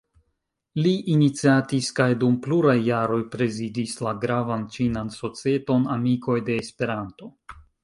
Li iniciatis kaj dum pluraj jaroj prezidis la gravan ĉinan societon "Amikoj de Esperanto".